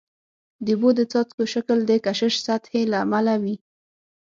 د اوبو د څاڅکو شکل د کشش سطحي له امله وي.